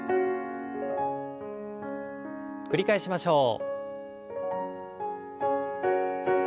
繰り返しましょう。